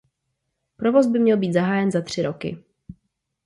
Provoz by měl být zahájen za tři roky.